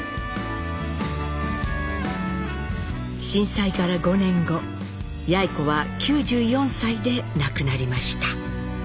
震災から５年後やい子は９４歳で亡くなりました。